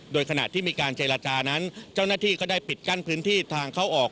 โดยขณะที่มีการเจรจานั้นเจ้าหน้าที่ก็ได้ปิดกั้นพื้นที่ทางเข้าออก